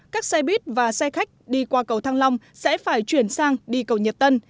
các xe buýt và xe khách đi qua cầu thăng long sẽ phải chuyển sang đi cầu nhật tân